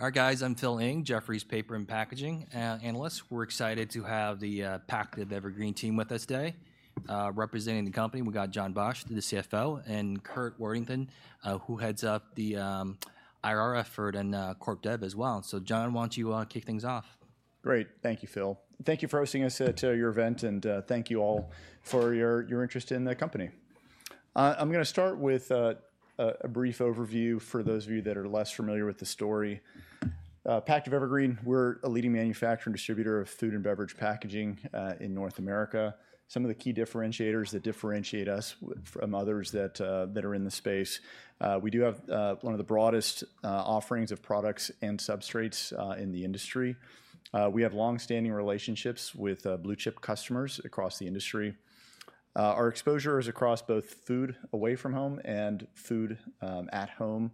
All right, guys, I'm Phil Ng, Jefferies Paper and Packaging analyst. We're excited to have the Pactiv Evergreen team with us today. Representing the company, we've got Jon Baksht, the CFO, and Curt Worthington, who heads up the IR effort and Corp Dev as well. So Jon, why don't you kick things off? Great. Thank you, Phil. Thank you for hosting us at your event, and thank you all for your interest in the company. I'm gonna start with a brief overview for those of you that are less familiar with the story. Pactiv Evergreen, we're a leading manufacturer and distributor of food and beverage packaging in North America. Some of the key differentiators that differentiate us from others that are in the space, we do have one of the broadest offerings of products and substrates in the industry. We have long-standing relationships with blue-chip customers across the industry. Our exposure is across both food away from home and food at home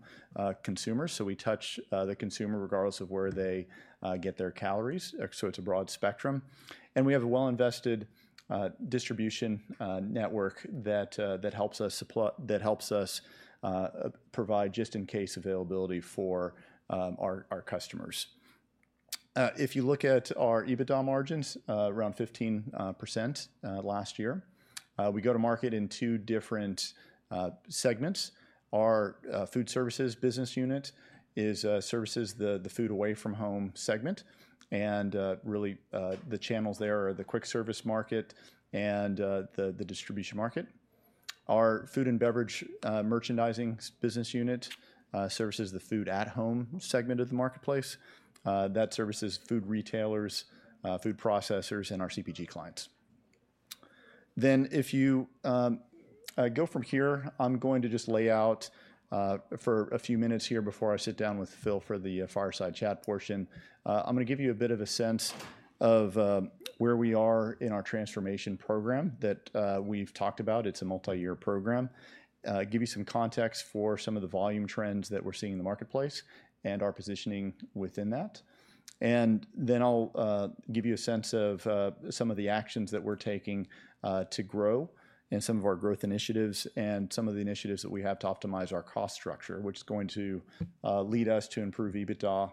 consumers. So we touch the consumer regardless of where they get their calories, so it's a broad spectrum. And we have a well-invested distribution network that helps us provide just-in-case availability for our customers. If you look at our EBITDA margins around 15% last year. We go to market in two different segments. Our food services business unit services the food away from home segment, and really the channels there are the quick service market and the distribution market. Our Food and Beverage Merchandising business unit services the food at home segment of the marketplace. That services food retailers, food processors, and our CPG clients. Then, if you go from here, I'm going to just lay out for a few minutes here before I sit down with Phil for the fireside chat portion. I'm gonna give you a bit of a sense of where we are in our transformation program that we've talked about. It's a multi-year program. Give you some context for some of the volume trends that we're seeing in the marketplace and our positioning within that, and then I'll give you a sense of some of the actions that we're taking to grow and some of our growth initiatives and some of the initiatives that we have to optimize our cost structure, which is going to lead us to improve EBITDA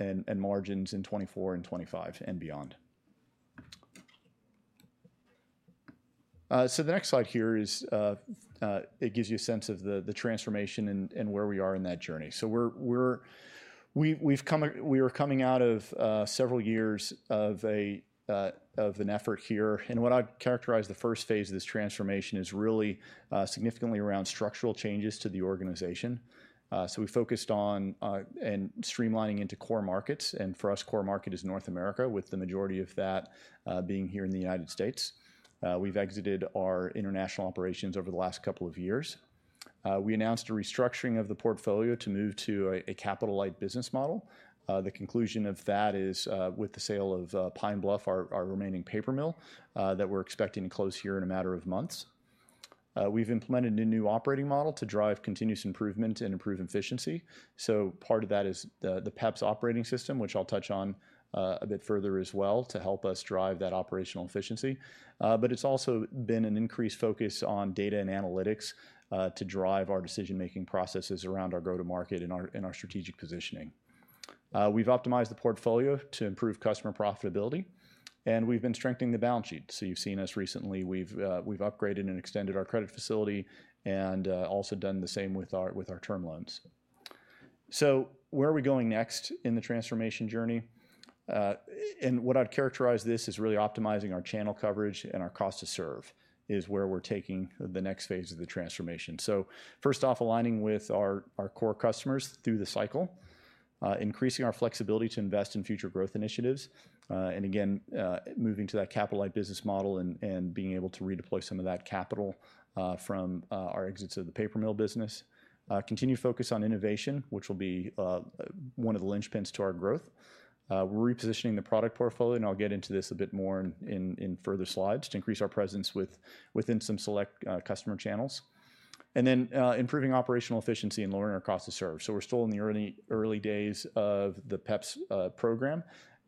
and margins in 2024 and 2025 and beyond. So the next slide here is. It gives you a sense of the transformation and where we are in that journey. So we're coming out of several years of an effort here, and what I'd characterize the first phase of this transformation is really significantly around structural changes to the organization. So we focused on streamlining into core markets, and for us, core market is North America, with the majority of that being here in the United States. We've exited our international operations over the last couple of years. We announced a restructuring of the portfolio to move to a capital-light business model. The conclusion of that is, with the sale of Pine Bluff, our remaining paper mill, that we're expecting to close here in a matter of months. We've implemented a new operating model to drive continuous improvement and improve efficiency. So part of that is the PEPS operating system, which I'll touch on a bit further as well to help us drive that operational efficiency. But it's also been an increased focus on data and analytics to drive our decision-making processes around our go-to-market and our strategic positioning. We've optimized the portfolio to improve customer profitability, and we've been strengthening the balance sheet. So you've seen us recently. We've upgraded and extended our credit facility and also done the same with our term loans. So where are we going next in the transformation journey? And what I'd characterize this is really optimizing our channel coverage and our cost to serve, is where we're taking the next phase of the transformation. So first off, aligning with our core customers through the cycle, increasing our flexibility to invest in future growth initiatives, and again, moving to that capital-light business model and being able to redeploy some of that capital from our exits of the paper mill business. Continued focus on innovation, which will be one of the linchpins to our growth. We're repositioning the product portfolio, and I'll get into this a bit more in further slides, to increase our presence within some select customer channels. And then, improving operational efficiency and lowering our cost to serve. So we're still in the early, early days of the PEPS program,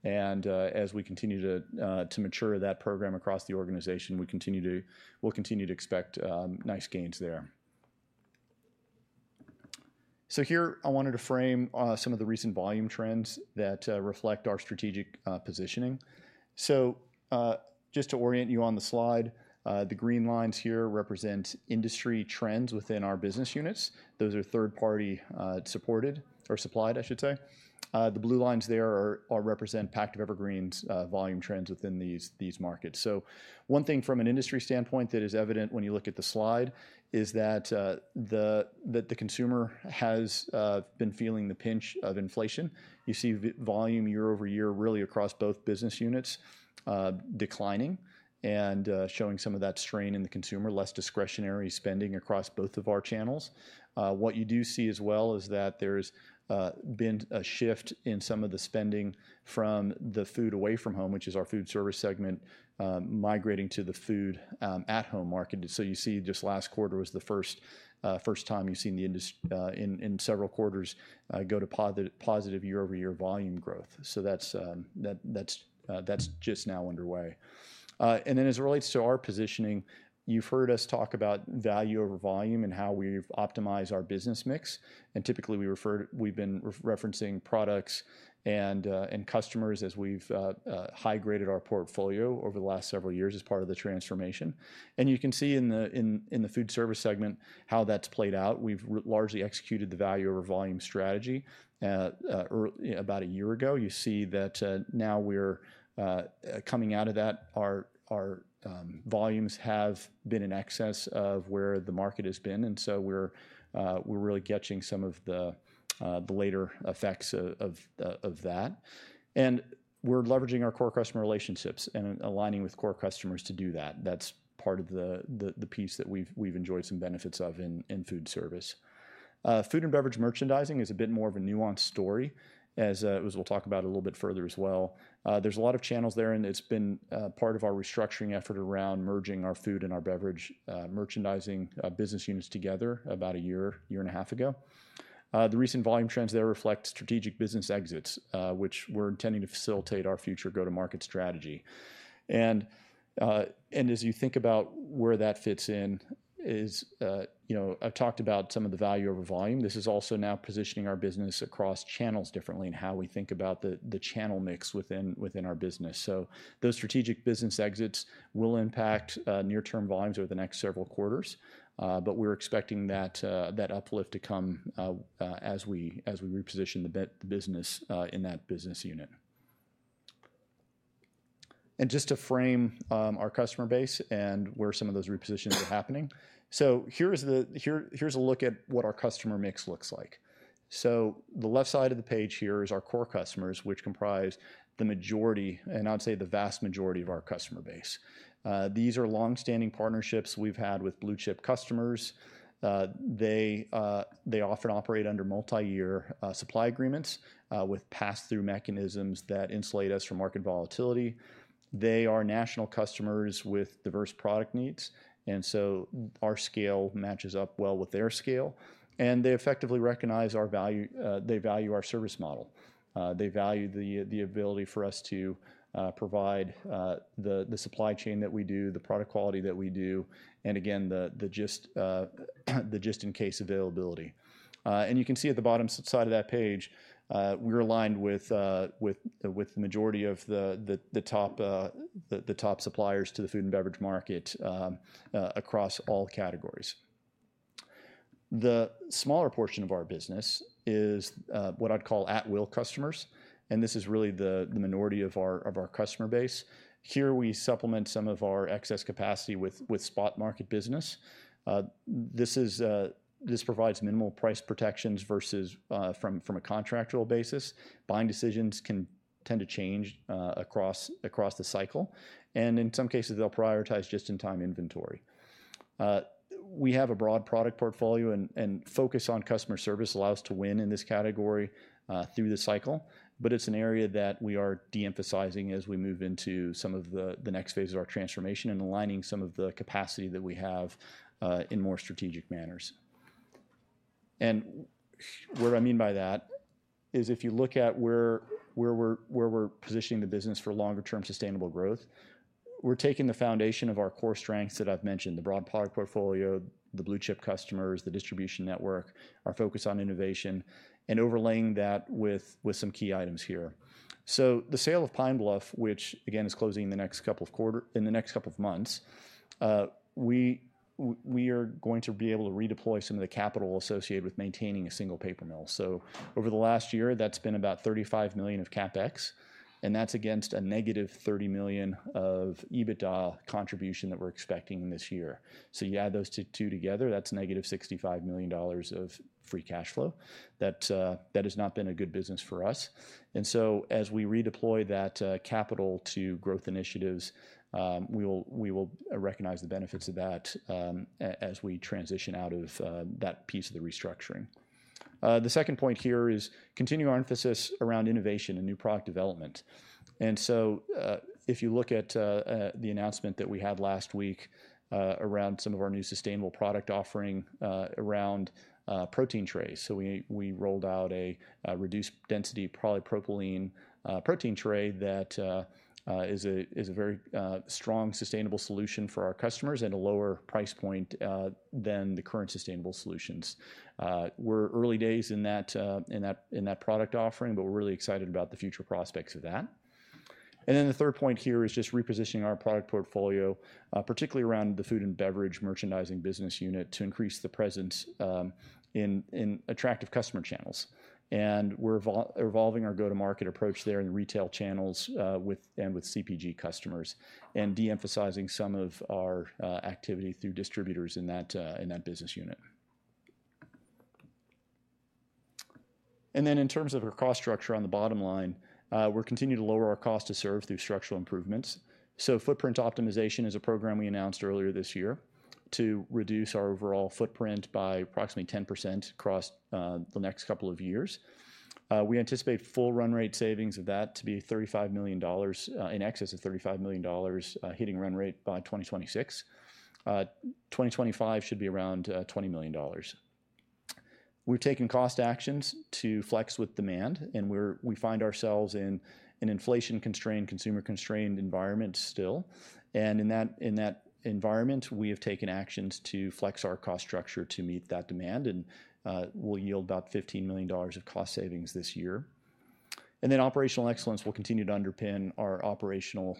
and as we continue to mature that program across the organization, we'll continue to expect nice gains there. Here I wanted to frame some of the recent volume trends that reflect our strategic positioning. Just to orient you on the slide, the green lines here represent industry trends within our business units. Those are third-party supported or supplied, I should say. The blue lines there represent Pactiv Evergreen's volume trends within these markets. One thing from an industry standpoint that is evident when you look at the slide is that the consumer has been feeling the pinch of inflation. You see volume year over year really across both business units declining and showing some of that strain in the consumer, less discretionary spending across both of our channels. What you do see as well is that there's been a shift in some of the spending from the food away from home, which is our food service segment, migrating to the food at home market. So you see just last quarter was the first time you've seen the industry in several quarters go to positive year-over-year volume growth. So that's just now underway. And then as it relates to our positioning, you've heard us talk about value over volume and how we've optimized our business mix, and typically, we've been referencing products and customers as we've high-graded our portfolio over the last several years as part of the transformation. You can see in the food service segment how that's played out. We've largely executed the value over volume strategy about a year ago. You see that now we're coming out of that. Our volumes have been in excess of where the market has been, and so we're really catching some of the later effects of that. We're leveraging our core customer relationships and aligning with core customers to do that. That's part of the piece that we've enjoyed some benefits of in food service. Food and beverage merchandising is a bit more of a nuanced story, as we'll talk about a little bit further as well. There's a lot of channels there, and it's been part of our restructuring effort around merging our food and our beverage merchandising business units together about a year and a half ago. The recent volume trends there reflect strategic business exits, which we're intending to facilitate our future go-to-market strategy. And as you think about where that fits in is, you know, I've talked about some of the value over volume. This is also now positioning our business across channels differently and how we think about the channel mix within our business. So those strategic business exits will impact near-term volumes over the next several quarters. But we're expecting that uplift to come as we reposition the business in that business unit. And just to frame our customer base and where some of those repositionings are happening. So here's a look at what our customer mix looks like. So the left side of the page here is our core customers, which comprise the majority, and I'd say the vast majority of our customer base. These are long-standing partnerships we've had with blue-chip customers. They often operate under multi-year supply agreements with pass-through mechanisms that insulate us from market volatility. They are national customers with diverse product needs, and so our scale matches up well with their scale, and they effectively recognize our value. They value our service model. They value the ability for us to provide the supply chain that we do, the product quality that we do, and again, the just-in-case availability, and you can see at the bottom side of that page, we're aligned with the majority of the top suppliers to the food and beverage market across all categories. The smaller portion of our business is what I'd call at-will customers, and this is really the minority of our customer base. Here, we supplement some of our excess capacity with spot market business. This provides minimal price protections versus from a contractual basis. Buying decisions can tend to change across the cycle, and in some cases, they'll prioritize just-in-time inventory. We have a broad product portfolio and focus on customer service allow us to win in this category through the cycle, but it's an area that we are de-emphasizing as we move into some of the next phases of our transformation and aligning some of the capacity that we have in more strategic manners. And sh... What I mean by that is, if you look at where we're positioning the business for longer-term sustainable growth, we're taking the foundation of our core strengths that I've mentioned, the broad product portfolio, the blue-chip customers, the distribution network, our focus on innovation, and overlaying that with some key items here. So the sale of Pine Bluff, which again, is closing in the next couple of months, we are going to be able to redeploy some of the capital associated with maintaining a single paper mill. So over the last year, that's been about $35 million of CapEx, and that's against a negative $30 million of EBITDA contribution that we're expecting this year. So you add those two together, that's negative $65 million of free cash flow. That has not been a good business for us. And so as we redeploy that capital to growth initiatives, we will recognize the benefits of that, as we transition out of that piece of the restructuring. The second point here is continue our emphasis around innovation and new product development. And so, if you look at the announcement that we had last week, around some of our new sustainable product offering around protein trays. So we rolled out a reduced density polypropylene protein tray that is a very strong sustainable solution for our customers at a lower price point than the current sustainable solutions. We're early days in that product offering, but we're really excited about the future prospects of that. Then the third point here is just repositioning our product portfolio, particularly around the food and beverage merchandising business unit, to increase the presence in attractive customer channels. We're evolving our go-to-market approach there in retail channels with CPG customers, and de-emphasizing some of our activity through distributors in that business unit. Then in terms of our cost structure on the bottom line, we're continuing to lower our cost to serve through structural improvements. Footprint optimization is a program we announced earlier this year to reduce our overall footprint by approximately 10% across the next couple of years. We anticipate full run rate savings of that to be $35 million, in excess of $35 million, hitting run rate by 2026. 2025 should be around $20 million. We're taking cost actions to flex with demand, and we find ourselves in an inflation-constrained, consumer-constrained environment still, and in that environment, we have taken actions to flex our cost structure to meet that demand, and will yield about $15 million of cost savings this year, and then operational excellence will continue to underpin our operational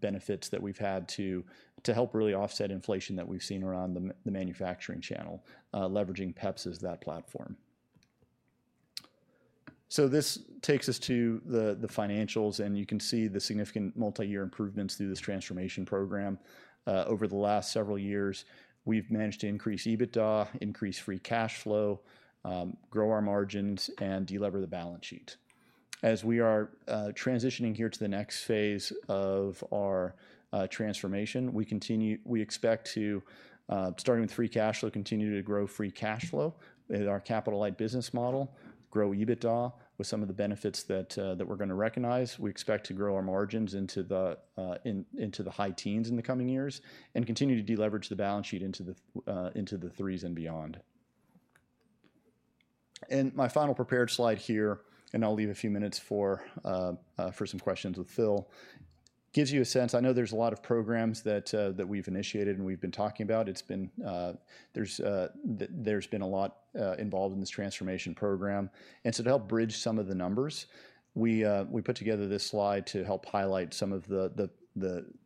benefits that we've had to help really offset inflation that we've seen around the manufacturing channel, leveraging PEPS as that platform, so this takes us to the financials, and you can see the significant multi-year improvements through this transformation program. Over the last several years, we've managed to increase EBITDA, increase free cash flow, grow our margins, and delever the balance sheet. As we are transitioning here to the next phase of our transformation, we continue, we expect to, starting with free cash flow, continue to grow free cash flow with our capital-light business model, grow EBITDA with some of the benefits that that we're gonna recognize. We expect to grow our margins into the high teens in the coming years and continue to deleverage the balance sheet into the threes and beyond. And my final prepared slide here, and I'll leave a few minutes for some questions with Phil. Gives you a sense, I know there's a lot of programs that that we've initiated and we've been talking about. It's been, there's been a lot involved in this transformation program. And so to help bridge some of the numbers, we put together this slide to help highlight some of the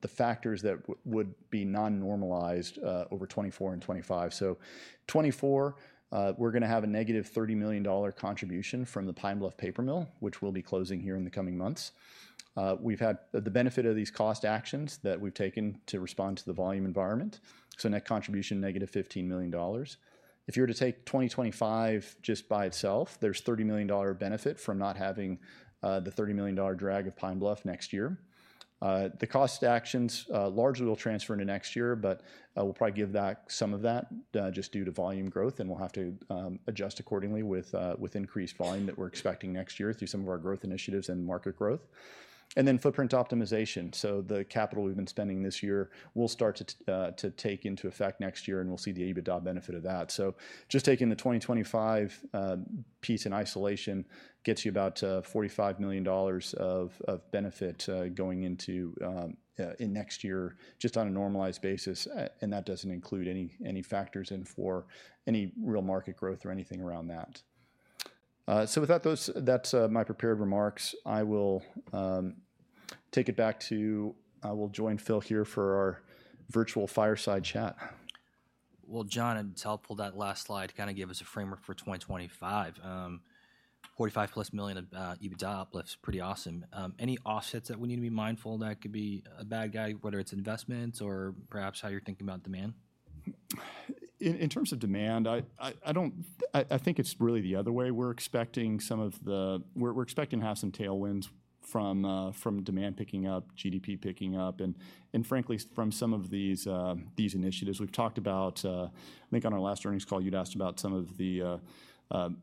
factors that would be non-normalized over 2024 and 2025. So, 2024, we're gonna have a negative $30 million contribution from the Pine Bluff paper mill, which will be closing here in the coming months. We've had the benefit of these cost actions that we've taken to respond to the volume environment, so net contribution, negative $15 million. If you were to take 2025 just by itself, there's $30 million benefit from not having the $30 million drag of Pine Bluff next year. The cost actions largely will transfer into next year, but we'll probably give back some of that just due to volume growth, and we'll have to adjust accordingly with increased volume that we're expecting next year through some of our growth initiatives and market growth. And then footprint optimization, so the capital we've been spending this year will start to take into effect next year, and we'll see the EBITDA benefit of that. So just taking the 2025 piece in isolation gets you about $45 million of benefit going into next year, just on a normalized basis. And that doesn't include any factors in for any real market growth or anything around that. So with that, that's my prepared remarks. I will take it back to... I will join Phil here for our virtual fireside chat. Jon, and to help pull that last slide, kind of give us a framework for 2025. $45 million EBITDA uplift's pretty awesome. Any offsets that we need to be mindful of that could be a bad guy, whether it's investments or perhaps how you're thinking about demand? In terms of demand, I don't. I think it's really the other way. We're expecting to have some tailwinds from demand picking up, GDP picking up, and frankly from some of these initiatives. We've talked about, I think on our last earnings call, you'd asked about some of the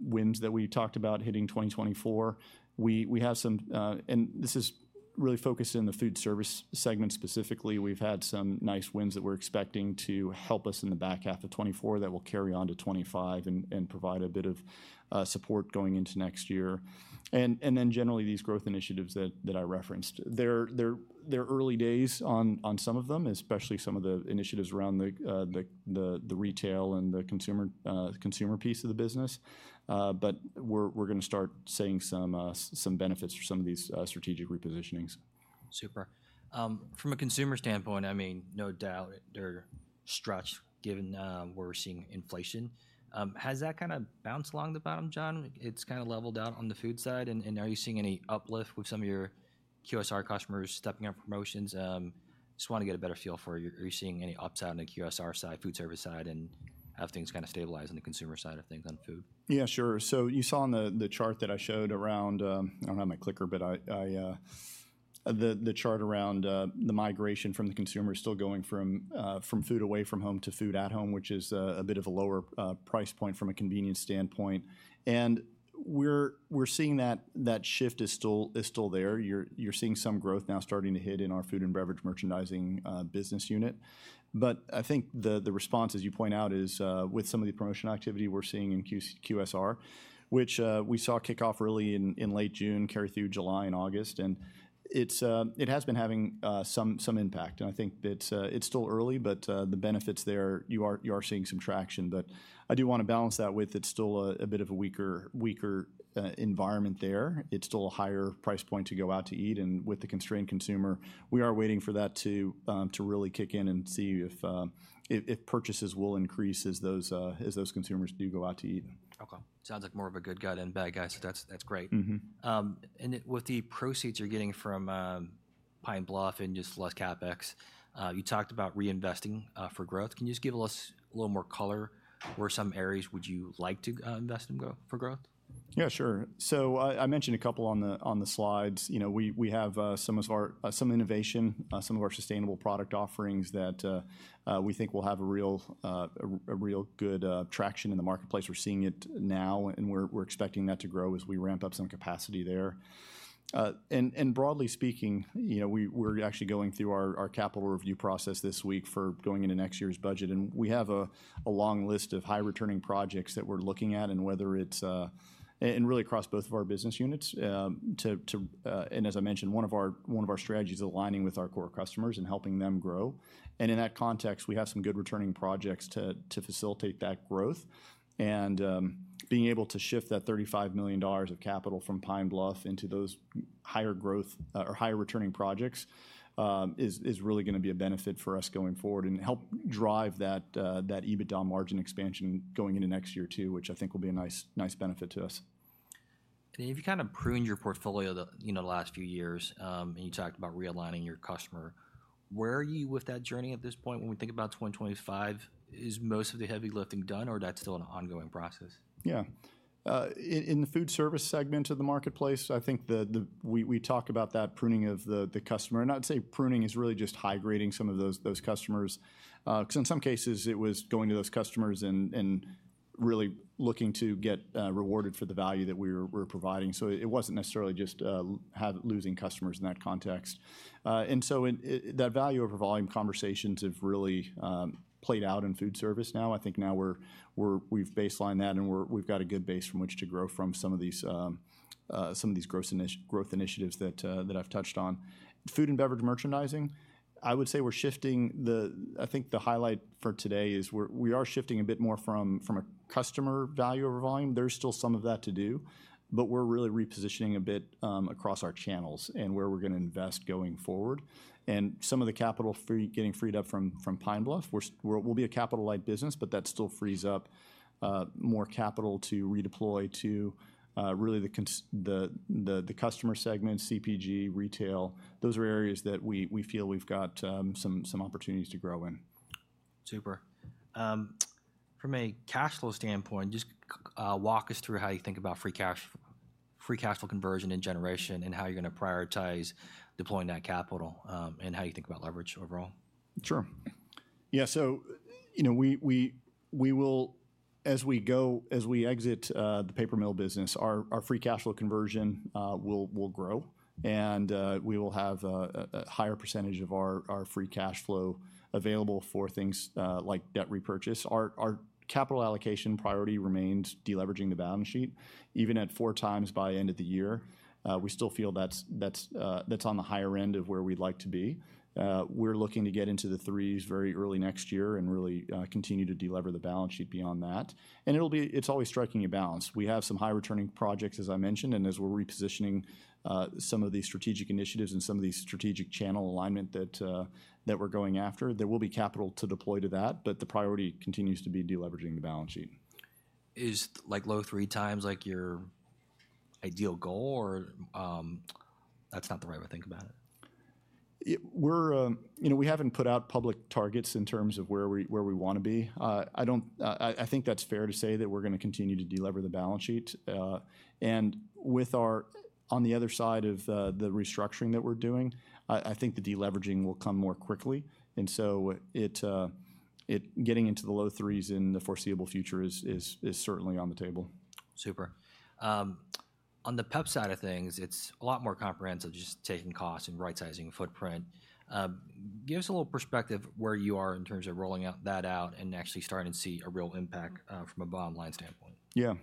wins that we talked about hitting 2024. We have some, and this is really focused in the food service segment specifically. We've had some nice wins that we're expecting to help us in the back half of 2024 that will carry on to 2025 and provide a bit of support going into next year. Then generally, these growth initiatives that I referenced, they're early days on some of them, especially some of the initiatives around the retail and the consumer piece of the business, but we're gonna start seeing some benefits for some of these strategic repositionings. Super. From a consumer standpoint, I mean, no doubt they're stretched, given where we're seeing inflation. Has that kind of bounced along the bottom, Jon? It's kind of leveled out on the food side, and, and are you seeing any uplift with some of your QSR customers stepping up promotions? Just want to get a better feel for, are you seeing any upside on the QSR side, food service side, and have things kind of stabilized on the consumer side of things on food? Yeah, sure. So you saw on the chart that I showed around the migration from the consumer still going from food away from home to food at home, which is a bit of a lower price point from a convenience standpoint. And we're seeing that shift is still there. You're seeing some growth now starting to hit in our food and beverage merchandising business unit. But I think the response, as you point out, is with some of the promotion activity we're seeing in QSR, which we saw kick off early in late June, carry through July and August. It has been having some impact, and I think that it's still early, but the benefits there. You are seeing some traction. But I do want to balance that with it's still a bit of a weaker environment there. It's still a higher price point to go out to eat, and with the constrained consumer, we are waiting for that to really kick in and see if purchases will increase as those consumers do go out to eat. Okay. Sounds like more of a good gut and bad gut, so that's, that's great. Mm-hmm. And with the proceeds you're getting from Pine Bluff and just less CapEx, you talked about reinvesting for growth. Can you just give us a little more color? Where some areas would you like to invest and grow for growth? Yeah, sure. So I mentioned a couple on the slides. You know, we have some of our innovation, some of our sustainable product offerings that we think will have a real good traction in the marketplace. We're seeing it now, and we're expecting that to grow as we ramp up some capacity there. And broadly speaking, you know, we're actually going through our capital review process this week for going into next year's budget, and we have a long list of high-returning projects that we're looking at, and whether it's and really across both of our business units, and as I mentioned, one of our strategies is aligning with our core customers and helping them grow. And in that context, we have some good returning projects to facilitate that growth. And being able to shift that $35 million of capital from Pine Bluff into those higher growth or higher-returning projects is really gonna be a benefit for us going forward and help drive that EBITDA margin expansion going into next year, too, which I think will be a nice benefit to us. You've kind of pruned your portfolio the, you know, the last few years, and you talked about realigning your customer. Where are you with that journey at this point when we think about 2025? Is most of the heavy lifting done, or that's still an ongoing process? Yeah. In the food service segment of the marketplace, I think we talk about that pruning of the customer, and I'd say pruning is really just high-grading some of those customers. Because in some cases, it was going to those customers and really looking to get rewarded for the value that we're providing. So it wasn't necessarily just losing customers in that context. And so that value over volume conversations have really played out in food service now. I think now we've baselined that, and we've got a good base from which to grow from some of these growth initiatives that I've touched on. Food and beverage merchandising, I would say we're shifting the... I think the highlight for today is we are shifting a bit more from a customer value over volume. There's still some of that to do, but we're really repositioning a bit across our channels and where we're gonna invest going forward. And some of the capital getting freed up from Pine Bluff, we'll be a capital-light business, but that still frees up more capital to redeploy to really the customer segment, CPG, retail. Those are areas that we feel we've got some opportunities to grow in. Super. From a cash flow standpoint, just walk us through how you think about free cash flow conversion and generation, and how you're gonna prioritize deploying that capital, and how you think about leverage overall. Sure. Yeah, so, you know, we will, as we exit the paper mill business, our free cash flow conversion will grow, and we will have a higher percentage of our free cash flow available for things like debt repurchase. Our capital allocation priority remains deleveraging the balance sheet, even at four times by end of the year, we still feel that's on the higher end of where we'd like to be. We're looking to get into the threes very early next year and really continue to delever the balance sheet beyond that. And it's always striking a balance. We have some high-returning projects, as I mentioned, and as we're repositioning, some of these strategic initiatives and some of these strategic channel alignment that we're going after, there will be capital to deploy to that, but the priority continues to be deleveraging the balance sheet. Is, like, low three times, like, your ideal goal, or, that's not the right way to think about it? We're, you know, we haven't put out public targets in terms of where we wanna be. I think that's fair to say that we're gonna continue to delever the balance sheet. And with our, on the other side of the restructuring that we're doing, I think the deleveraging will come more quickly, and so getting into the low threes in the foreseeable future is certainly on the table. Super. On the PEPS side of things, it's a lot more comprehensive, just taking costs and right-sizing footprint. Give us a little perspective where you are in terms of rolling that out and actually starting to see a real impact, from a bottom-line standpoint? Yeah.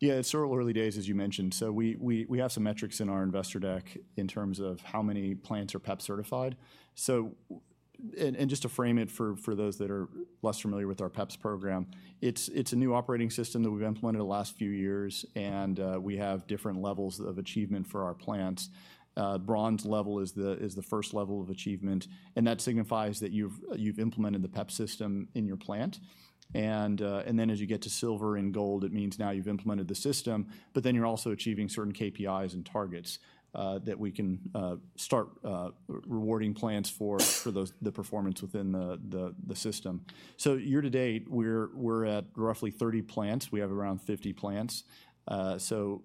Yeah, it's still early days, as you mentioned. So we have some metrics in our investor deck in terms of how many plants are PEPS certified. So, and just to frame it for those that are less familiar with our PEPS program, it's a new operating system that we've implemented the last few years, and we have different levels of achievement for our plants. Bronze level is the first level of achievement, and that signifies that you've implemented the PEPS system in your plant. And then as you get to Silver and Gold, it means now you've implemented the system, but then you're also achieving certain KPIs and targets that we can start rewarding plants for the performance within the system. So year to date, we're at roughly 30 plants. We have around 50 plants. So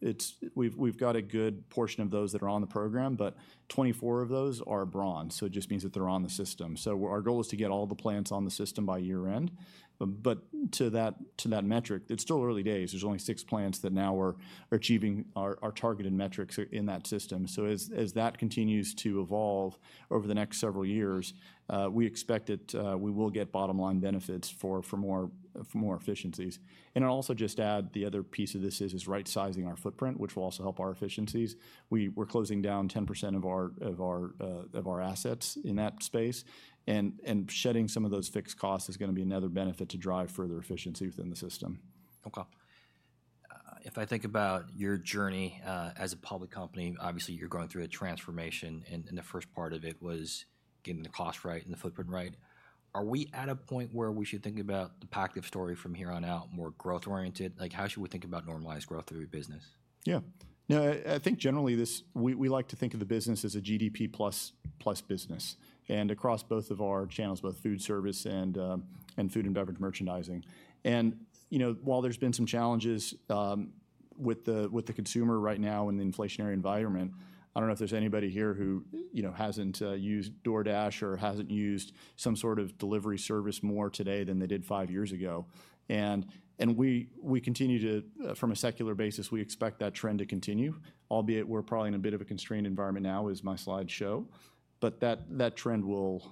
it's. We've got a good portion of those that are on the program, but 24 of those are bronze, so it just means that they're on the system. So our goal is to get all the plants on the system by year-end, but to that metric, it's still early days. There's only 6 plants that now are achieving our targeted metrics in that system. So as that continues to evolve over the next several years, we expect that we will get bottom line benefits for more efficiencies. And I'll also just add, the other piece of this is right-sizing our footprint, which will also help our efficiencies. We're closing down 10% of our assets in that space, and shedding some of those fixed costs is gonna be another benefit to drive further efficiency within the system. Okay. If I think about your journey, as a public company, obviously you're going through a transformation, and, and the first part of it was getting the cost right and the footprint right. Are we at a point where we should think about the Pactiv story from here on out, more growth oriented? Like, how should we think about normalized growth of your business? Yeah. No, I think generally this, we like to think of the business as a GDP plus, plus business, and across both of our channels, both food service and food and beverage merchandising. And, you know, while there's been some challenges with the consumer right now in the inflationary environment, I don't know if there's anybody here who, you know, hasn't used DoorDash or hasn't used some sort of delivery service more today than they did five years ago. And we continue to from a secular basis, we expect that trend to continue, albeit we're probably in a bit of a constrained environment now, as my slides show. But that trend will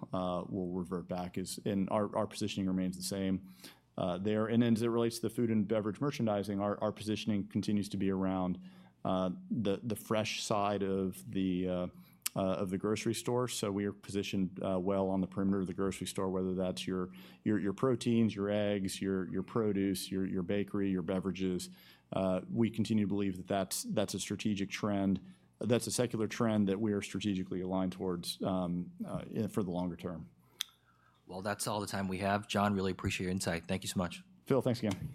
revert back as. And our positioning remains the same there. And then as it relates to the food and beverage merchandising, our positioning continues to be around the fresh side of the grocery store. So we are positioned well on the perimeter of the grocery store, whether that's your proteins, your eggs, your produce, your bakery, your beverages. We continue to believe that that's a strategic trend. That's a secular trend that we are strategically aligned towards for the longer term. That's all the time we have. Jon, really appreciate your insight. Thank you so much. Phil, thanks again.